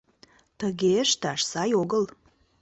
Тыге ышташ сай огыл...